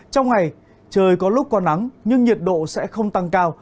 trong ngày trời có lúc có nắng nhưng nhiệt độ sẽ không tăng cao